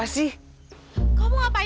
aku masih satu orang yang bisa menanggapi kamu